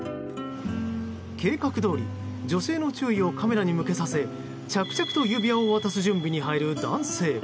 計画どおり、女性の注意をカメラに向けさせ着々と指輪を渡す準備に入る男性。